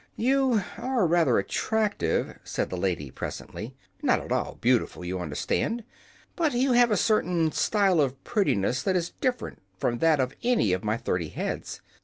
"You are rather attractive," said the lady, presently. "Not at all beautiful, you understand, but you have a certain style of prettiness that is different from that of any of my thirty heads.